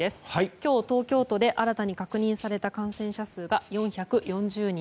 今日、東京都で新たに確認された感染者数は４４０人。